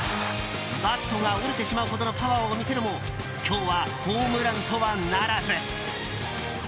バットが折れてしまうほどのパワーを見せるも今日はホームランとはならず。